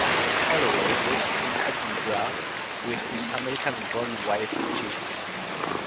Holloway lives in Edinburgh with his American-born wife Jean.